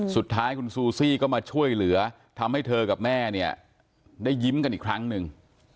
สุดท้ายคุณซูซี่ก็มาช่วยเหลือทำให้เธอกับแม่เนี่ยได้ยิ้มกันอีกครั้งหนึ่ง